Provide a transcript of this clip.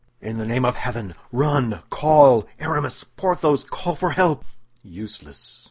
"In the name of heaven, run, call! Aramis! Porthos! Call for help!" "Useless!"